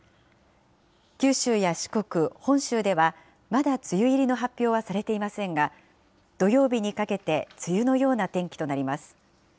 九州や四国、本州では、まだ梅雨入りの発表はされていませんが、土曜日にかけて、梅雨のような天気となります。